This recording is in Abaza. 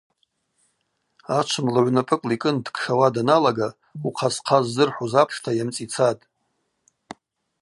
Ачвымла гӏвнапӏыкӏла йкӏын дкшауа даналага ухъасхъа ззырхӏвуз апшта йамцӏицатӏ.